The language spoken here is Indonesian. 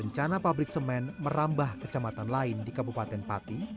rencana pabrik semen merambah kecamatan lain di kabupaten pati